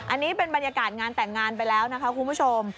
อันนี้เป็นบรรยากาศงานแต่งงานไปแล้วนะคะคุณผู้ชม